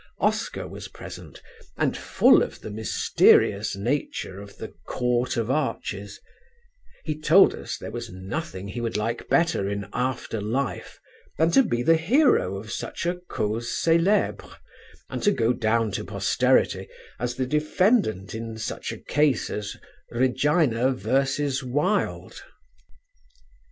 Oscar was present, and full of the mysterious nature of the Court of Arches; he told us there was nothing he would like better in after life than to be the hero of such a cause celèbre and to go down to posterity as the defendant in such a case as 'Regina versus Wilde!'